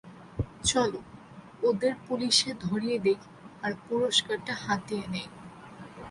চল, ওদের পুলিশে ধরিয়ে দেই আর পুরষ্কারটা হাতিয়ে নিই।